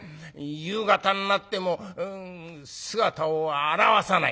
夕方になっても姿を現さない。